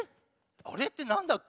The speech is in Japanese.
アレってなんだっけ？